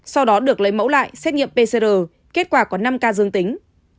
sau đó được lấy mẫu lại xét nghiệm pcr kết quả có năm ca dương tính